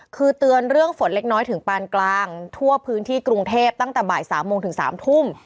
คือเตือนเรื่องฝนเล็กน้อยถึงปานกลางทั่วพื้นที่กรุงเทพตั้งแต่บ่าย๓โมงถึง๓ทุ่ม